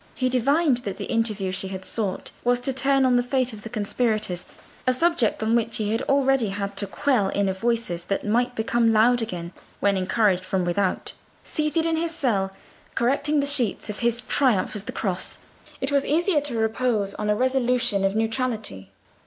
He divined that the interview she had sought was to turn on the fate of the conspirators, a subject on which he had already had to quell inner voices that might become loud again when encouraged from without. Seated in his cell, correcting the sheets of his 'Triumph of the Cross,' it was easier to repose on a resolution of neutrality.